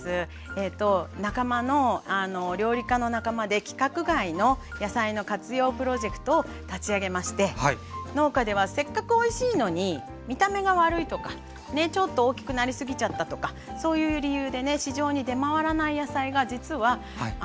えと仲間の料理家の仲間で規格外の野菜の活用プロジェクトを立ち上げまして農家ではせっかくおいしいのに見た目が悪いとかちょっと大きくなりすぎちゃったとかそういう理由でね市場に出回らない野菜が実は余ってたりとかするんですね。